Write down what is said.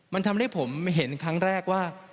มันทำให้ผมเห็นครั้งแรกว่า